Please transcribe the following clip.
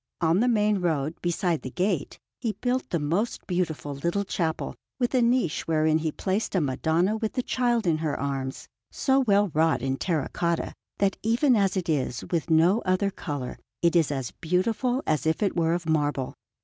On the main road, beside the gate, he built a most beautiful little chapel, with a niche wherein he placed a Madonna with the Child in her arms, so well wrought in terra cotta, that even as it is, with no other colour, it is as beautiful as if it were of marble.